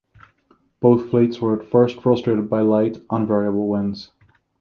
Both fleets were at first frustrated by light and variable winds.